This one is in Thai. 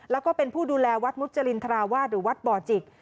แล้วก็เป็นผู้ดูแลวัดมุจรินทราวาสหรือวัดบ่อจิก